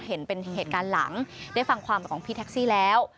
เห็นเป็นเหตุการณ์หลังได้ฟังความของพี่แท็กซี่แล้ว